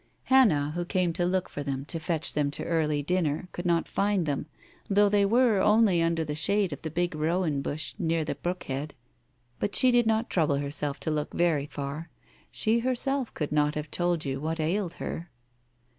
Hannah, who came to look for them to fetch them to early dinner, could not find them, though they were only under the shade of the big rowan bush near the brook head. But she did not trouble herself to look very far, she herself could not have told you what ailed her.